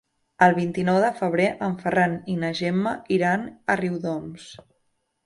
El vint-i-nou de febrer en Ferran i na Gemma iran a Riudoms.